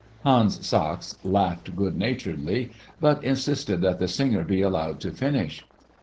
Hans Sachs laughed good naturedly, but insisted that the singer be allowed to finish.